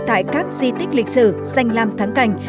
tại các di tích lịch sử danh lam thắng cảnh